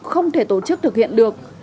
không thể tổ chức thực hiện được